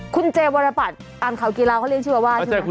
คุณเจวรรปัสอ่านข่าวกีฬาเขาเรียนชีวว่าใช่ไหมนะครับ